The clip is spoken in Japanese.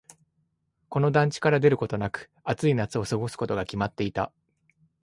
この団地から出ることなく、暑い夏を過ごすことが決まっていた。